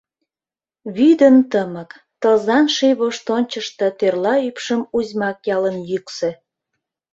Вӱдын тымык, тылзан ший воштончышто Тӧрла ӱпшым узьмак ялын йӱксӧ.